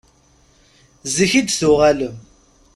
Zik i d-tuɣalem.